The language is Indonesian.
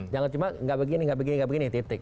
jangan cuma tidak begini tidak begini tidak begini ya titik